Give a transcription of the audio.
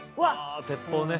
あ鉄砲ね。